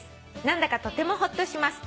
「何だかとてもほっとします」